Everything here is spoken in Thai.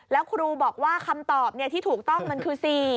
แล้วครูบอกว่าคำตอบที่ถูกต้องมันคือ๔